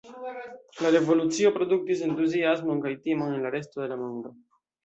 La revolucio produktis entuziasmon kaj timon en la resto de la mondo.